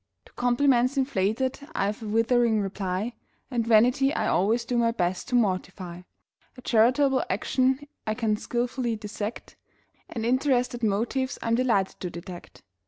To compliments inflated I've a withering reply; And vanity I always do my best to mortify; A charitable action I can skilfully dissect: And interested motives I'm delighted to detect.